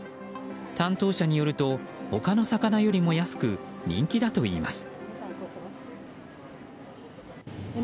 担当者によると他の魚よりも安く人気だといいます。